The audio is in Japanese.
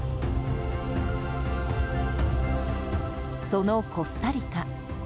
そのコスタリカ。